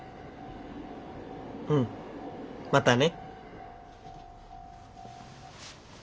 うんまたね。